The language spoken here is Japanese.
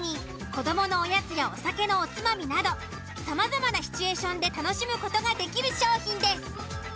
子どものおやつやお酒のおつまみなどさまざまなシチュエーションで楽しむ事ができる商品です。